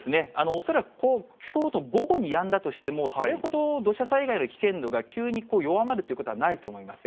恐らく、きょうの午後にやんだとしても、それほど土砂災害の危険度が、急に弱まるということはないと思います。